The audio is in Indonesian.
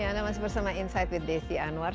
ya anda masih bersama insight with desi anwar